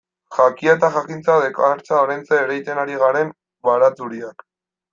Jakia eta jakintza dakartza oraintxe ereiten ari garen baratxuriak.